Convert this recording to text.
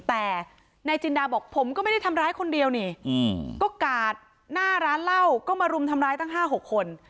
แต่นายจินดาบอกผมก็ไม่ได้ทำร้ายคนเดียวนี่ก็กาดหน้าร้านเหล้าก็มารุมทำร้ายตั้ง๕๖คน